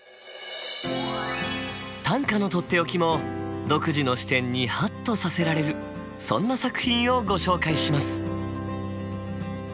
短歌のとっておきも独自の視点にハッとさせられるそんな作品をご紹介します。